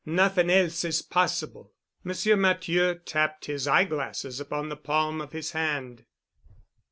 Nothing else is possible." Monsieur Matthieu tapped his eyeglasses upon the palm of his hand.